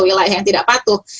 wilayah yang tidak patuh